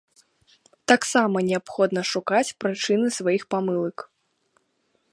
Таксама неабходна шукаць прычыны сваіх памылак.